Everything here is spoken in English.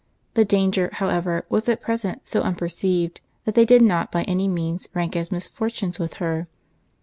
The danger, however, was at present so unperceived, that they did not by any means rank as misfortunes with her.